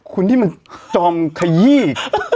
คุณนี่มันจอมขยี้